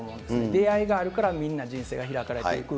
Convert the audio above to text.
出会いがあるからみんな人生が開かれていく。